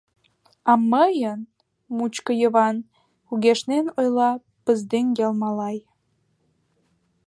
— А мыйын — мучко Йыван, — кугешнен ойла Пыздӱҥ ял малай.